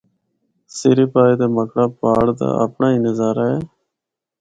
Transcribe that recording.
سری پائے تے مکڑا پہاڑ دا اپنڑا ہی نظارہ اے۔